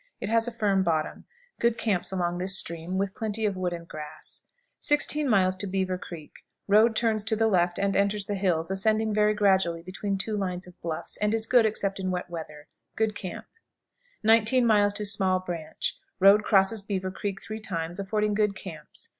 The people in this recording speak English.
It has a firm bottom. Good camps along this stream, with plenty of wood and grass. 16. Beaver Creek. Road turns to the left and enters the hills, ascending very gradually between two lines of bluffs, and is good except in wet weather. Good camp. 19. Small Branch. Road crosses Beaver Creek three times, affording good camps.